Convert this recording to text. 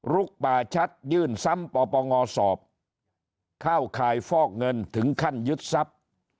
ลุกป่าชัดยื่นซ้ำปปงสอบเข้าข่ายฟอกเงินถึงขั้นยึดทรัพย์